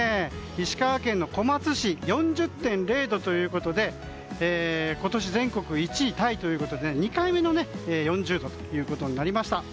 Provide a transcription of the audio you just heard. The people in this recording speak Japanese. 石川県小松市４０．０度ということで今年全国１位タイということで２回目の４０度ということになりました。